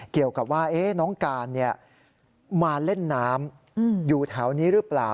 เกี่ยวกับว่าน้องการมาเล่นน้ำอยู่แถวนี้หรือเปล่า